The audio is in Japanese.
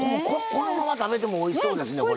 このまま食べてもおいしそうですねこれ。